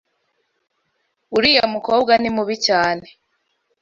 uriya mukobwa nimubi cyane